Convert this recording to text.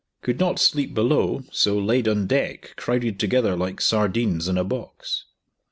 Could not sleep below, so laid on deck, crowded together like sardines in a box.